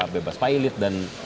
bebas pilot dan